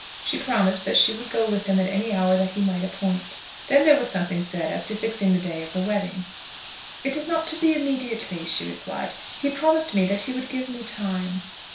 She promised that she would go with him at any hour that he might appoint. Then there was something said as to fixing the day of the wedding. "It is not to be immediately," she replied; "he promised me that he would give me time."